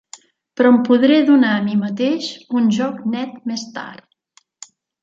Però em podré donar a mi mateix un joc net més tard.